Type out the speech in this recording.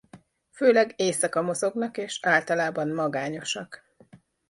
Főleg éjszaka mozognak és általában magányosak.